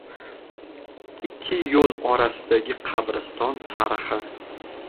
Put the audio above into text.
Ikki yo‘l orasidagi qabriston tarixi